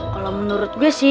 kalo menurut gue sih